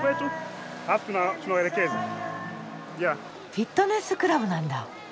フィットネスクラブなんだ。